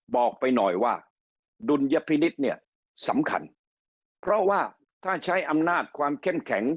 บอกไปหน่อยว่าดุลยพินิษฐ์เนี่ยสำคัญเพราะว่าถ้าใช้อำนาจความเข้มแข็ง